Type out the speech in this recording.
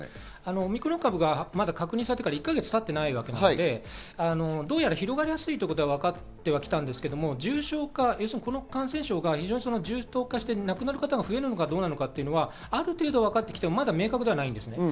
オミクロン株が確認されてからまだ１か月たっていないわけなので、どうやら広がりやすいということはわかってきたんですけど、重症化、重篤化して亡くなる方が増えるかどうかというのがある程度わかってきても明確ではない。